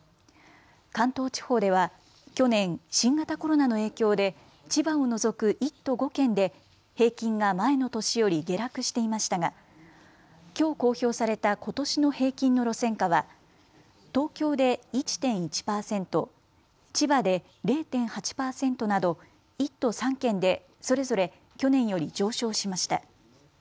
関東地方では去年、新型コロナの影響で千葉を除く１都５県で平均が前の年より下落していましたが、きょう公表されたことしの平均の路線価は東京で１．１％、千葉で０．８％など１都３県でそれぞれ去年より上昇しました。